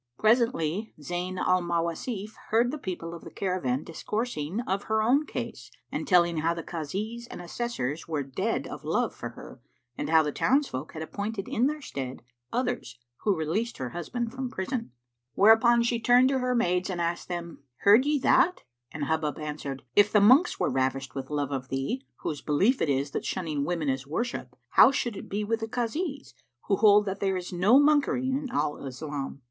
Presently, Zayn al Mawasif heard the people of the caravan discoursing of her own case and telling how the Kazis and Assessors were dead of love for her and how the townsfolk had appointed in their stead others who released her husband from prison. Whereupon she turned to her maids and asked them, "Heard ye that?"; and Hubub answered, "If the monks were ravished with love of thee, whose belief it is that shunning women is worship, how should it be with the Kazis, who hold that there is no monkery in Al Islam?